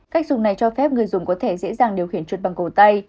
cách dùng này cho phép người dùng có thể dễ dàng điều khiển chuột bằng cổ tay